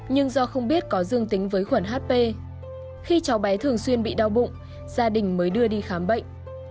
nhưng do không biết có dương tính với khuẩn hp khi cháu bé thường xuyên bị đau bụng gia đình mới đưa đi khám bệnh